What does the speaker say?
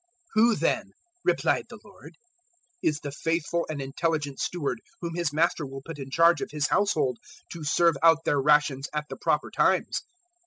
012:042 "Who, then," replied the Lord, "is the faithful and intelligent steward whom his Master will put in charge of His household to serve out their rations at the proper times?